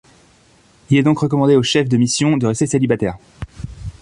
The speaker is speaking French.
Il est donc recommandé au chef de mission de rester célibataire.